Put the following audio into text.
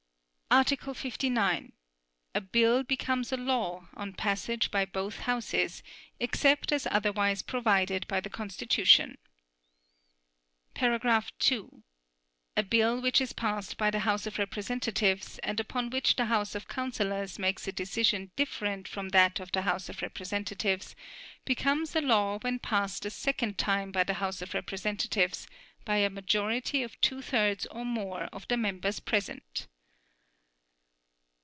Article 59. A bill becomes a law on passage by both Houses, except as otherwise provided by the Constitution. (2) A bill which is passed by the House of Representatives, and upon which the House of Councillors makes a decision different from that of the House of Representatives, becomes a law when passed a second time by the House of Representatives by a majority of two thirds or more of the members present.